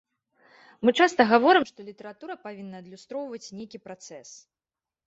Мы часта гаворым, што літаратура павінна адлюстроўваць нейкі працэс.